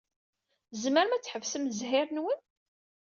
Tzemrem ad tḥebsem zzhir-nwen?